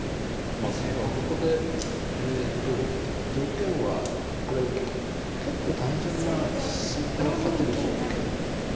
まあここでえと条件はこれ結構単純な先手が勝てる条件で。